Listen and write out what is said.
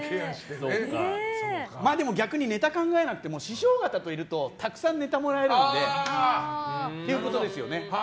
逆にネタ考えなくても師匠方といるとたくさんネタをもらえるのでということですよね。